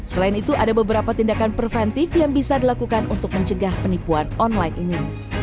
selain itu ada beberapa tindakan preventif yang bisa dilakukan untuk mencegah penipuan online ini